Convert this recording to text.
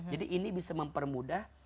jadi ini bisa mempermudah